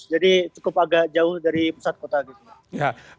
jadi cukup agak jauh dari pusat kota